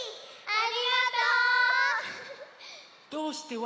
ありがとう！